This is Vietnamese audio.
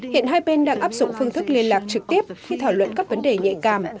hiện hai bên đang áp dụng phương thức liên lạc trực tiếp khi thảo luận các vấn đề nhạy cảm